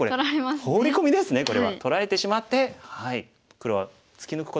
ホウリコミですねこれは。取られてしまって黒は突き抜くことができません。